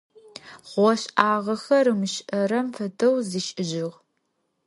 Хъугъэ-шӀагъэхэр ымышӀэрэм фэдэу зишӀыжьыгъ.